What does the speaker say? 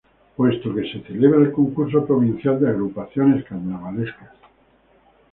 Puesto que se celebra el Concurso Provincial de Agrupaciones Carnavalescas.